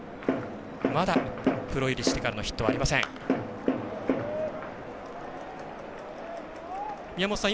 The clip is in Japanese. まだプロ入りしてからのヒットはありません。